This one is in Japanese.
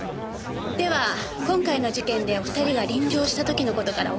では今回の事件でお二人が臨場した時の事からお伺いします。